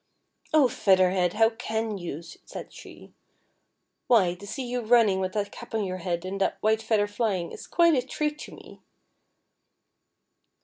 " Oh, Feather Head, how can you .'" said she. " Why, FEATHER HEAD. 2.?i to see you runniiiij with that cap on your head and that white feather flyinf^, is quite a treat to me.